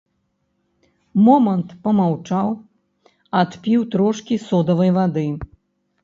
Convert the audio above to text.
Момант памаўчаў, адпіў трошкі содавай вады.